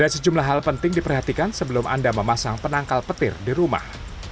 ada sejumlah hal penting diperhatikan sebelum anda memasang penangkal petir di rumah